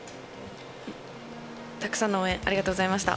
たくさんの応援ありがとうございました。